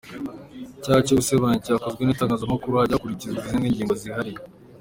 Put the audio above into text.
Icyaha cyo gusebanya gikozwe n’itangazamakuru hajya hakurikizwa izindi ngingo zihariye.